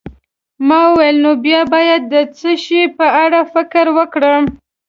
ما وویل: نو بیا باید د څه شي په اړه فکر وکړم؟